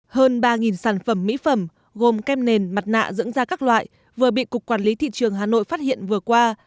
hơn ba sản phẩm mỹ phẩm gồm kem nền mặt nạ dưỡng da các loại vừa bị cục quản lý thị trường hà nội phát hiện vừa qua